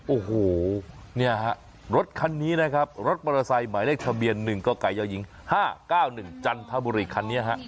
โอ้โหเนี่ยฮะรถคันนี้นะครับรถมอเตอร์ไซค์หมายเลขทะเบียน๑กยหญิง๕๙๑จันทบุรีคันนี้ฮะ